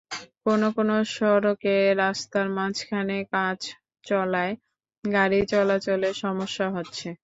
কোনো কোনো সড়কে রাস্তার মাঝখানে কাজ চলায় গাড়ি চলাচলে সমস্যা হচ্ছে।